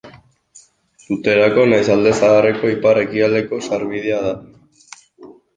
Tuterako nahiz Alde Zaharreko ipar-ekialdeko sarbidea da.